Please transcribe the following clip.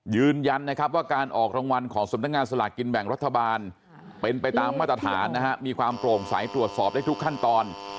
ยืนยันนะครับว่าการออกรางวัลของสำนักงานสลากกินแบ่งรัฐบาลเป็นไปตามมาตรฐานนะฮะมีความโปร่งใสตรวจสอบได้ทุกขั้นตอน